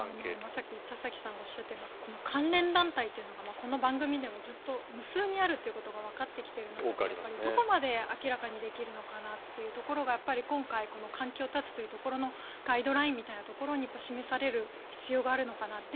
さっき田崎さんがおっしゃった関連団体というのがこの番組でもずっと無数にあるとわかってきている中でどこまで明らかにできるのかなというところが今回、関係を絶つというところのガイドラインに示される必要があるのかなと。